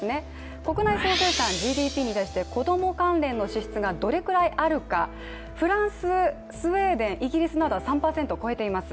国内総生産、ＧＤＰに関して子供関連の支出がどれくらいあるか、フランス、スウェーデンイギリスなどは３％を超えています。